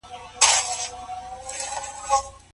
حق مه خوري.